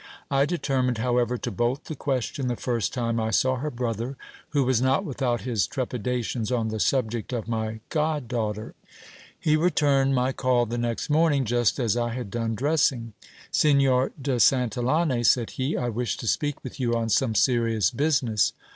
I determined, however, to bolt the question the first time I saw her brother, who was not without his trepidations on the subject of my god daughter. He returned my call the next morning, just as I had done dressing. Signor de Santillane, said he, I wish to speak with you on some serious business.